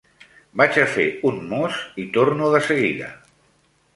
Vaig a fer un mos i torno de seguida.